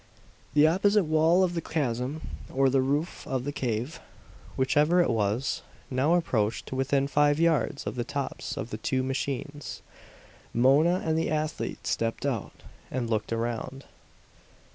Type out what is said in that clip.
The opposite wall of the chasm or the roof of the cave, whichever it was now approached to within five yards of the tops of the two machines. Mona and the athlete stepped out, and looked around.